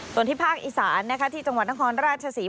ส่วนที่ภาคอีสานที่จังหวัดนครราชศรี